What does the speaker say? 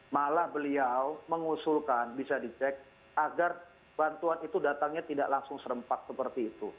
malah beliau mengusulkan bisa dicek agar bantuan itu datangnya tidak langsung serempak seperti itu